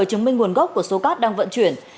chứng minh nguồn gốc của số cát đang vận chuyển